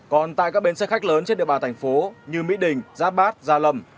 còn tại các bến xe khách lớn trên địa bàn thành phố như mỹ đình giáp bát gia lâm